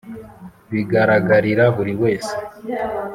bigaragarira buri wese